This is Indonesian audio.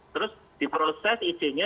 terus diproses izinnya